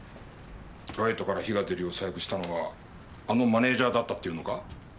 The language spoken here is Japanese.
ライトから火が出るよう細工したのはあのマネジャーだったって言うのか？